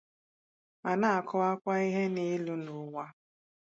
ma na-akọwakwa ihe n'elu n'ụwa.